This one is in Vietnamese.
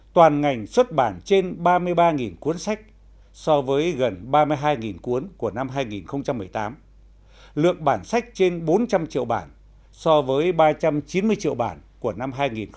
toàn ngành xuất bản trên ba mươi ba cuốn sách so với gần ba mươi hai cuốn của năm hai nghìn một mươi tám lượng bản sách trên bốn trăm linh triệu bản so với ba trăm chín mươi triệu bản của năm hai nghìn một mươi tám